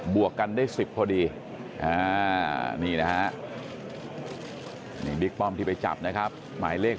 วกกันได้๑๐พอดีนี่นะฮะนี่บิ๊กป้อมที่ไปจับนะครับหมายเลข